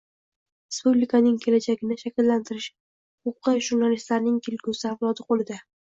Respublikaning kelajagini shakllantirish huquqi jurnalistlarning kelgusi avlodi qo‘lida».